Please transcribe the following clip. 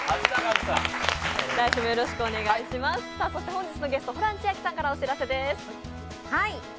本日のゲストホラン千秋さんからお知らせです。